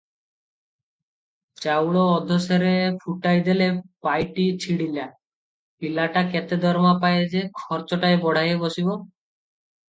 ଚାଉଳ ଅଧସେରେ ଫୁଟାଇ ଦେଲେ ପାଇଟି ଛିଡ଼ିଲା, ପିଲାଟା କେତେ ଦରମା ପାଏ ଯେ ଖର୍ଚ୍ଚଟାଏ ବଢ଼ାଇ ବସିବ?